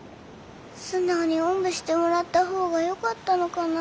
素直におんぶしてもらった方がよかったのかな？